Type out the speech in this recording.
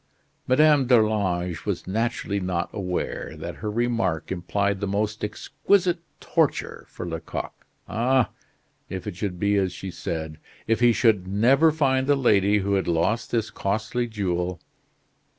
Madame d'Arlange was naturally not aware that her remark implied the most exquisite torture for Lecoq. Ah! if it should be as she said, if he should never find the lady who had lost this costly jewel!